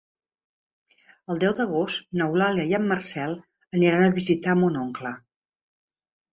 El deu d'agost n'Eulàlia i en Marcel aniran a visitar mon oncle.